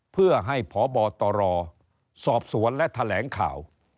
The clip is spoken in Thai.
เพื่อให้พบตรสอบสวนและแถลงข่าว